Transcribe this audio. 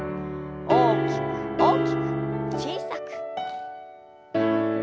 大きく大きく小さく。